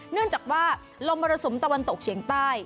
เนื่องจากว่าลมมรสุมตะวันตกเฉียงใต้